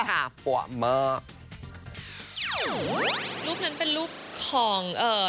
รูปนั้นเป็นรูปของ